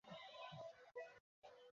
আমি তোমাদেরকে আবার জিজ্ঞাসা করছি।